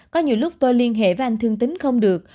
có nhiều lúc tôi liên hệ với anh thương tính không được